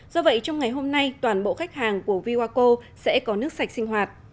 do vậy trong ngày hôm nay toàn bộ khách hàng của vywaco sẽ có nước sạch sinh hoạt